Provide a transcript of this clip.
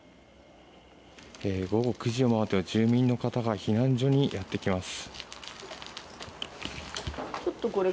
午後９時を回って住民の方が避難所にやってきます。